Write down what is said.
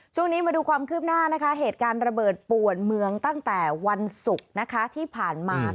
ช่วงนี้มาดูความคืบหน้านะคะเหตุการณ์ระเบิดป่วนเมืองตั้งแต่วันศุกร์ที่ผ่านมา